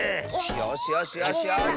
よしよしよしよし！